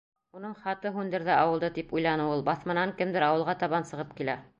Уның хаты һүндерҙе ауылды, тип уйланы ул. Баҫманан кемдер ауылға табан сығып килә.